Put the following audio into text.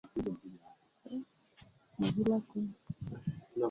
Haikuwa kazi kubwa kwani Juliana aliongea nae juu ya umuhimu wa Tanzania